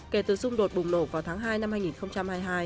kể từ xung đột bùng nổ vào tháng hai năm hai nghìn hai mươi hai